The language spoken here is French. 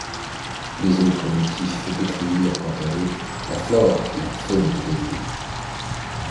Les autres motifs décrivent quant à eux la flore et la faune de Galilée.